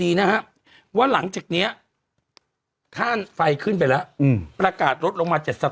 ค่อน้ำต้องเตรียมตัวขึ้นแล้วนะครับ